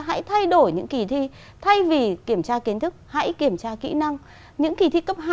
hãy thay đổi những kỳ thi thay vì kiểm tra kiến thức hãy kiểm tra kỹ năng những kỳ thi cấp hai